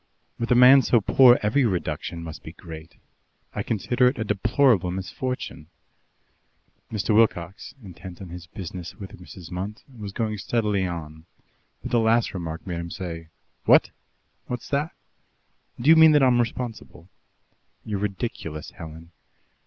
"With a man so poor, every reduction must be great. I consider it a deplorable misfortune." Mr. Wilcox, intent on his business with Mrs. Munt, was going steadily on, but the last remark made him say: "What? What's that? Do you mean that I'm responsible?" "You're ridiculous, Helen."